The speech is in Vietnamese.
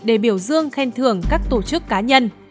để biểu dương khen thưởng các tổ chức cá nhân